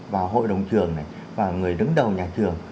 vào hội đồng trường này và người đứng đầu nhà trường